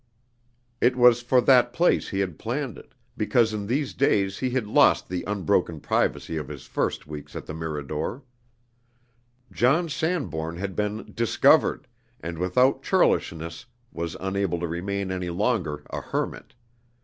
It was for that place he had planned it, because in these days he had lost the unbroken privacy of his first weeks at the Mirador. John Sanbourne had been "discovered," and without churlishness was unable to remain any longer a hermit.